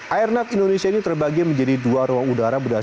airnav indonesia ini terbagi menjadi dua ruang udara berdasarkan